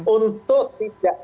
untuk tidak lagi setidaknya